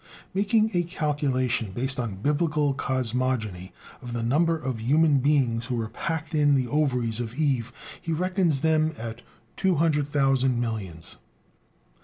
Making a calculation based on Biblical cosmogony of the number of human beings who were packed in the ovaries of Eve, he reckons them at two hundred thousand millions.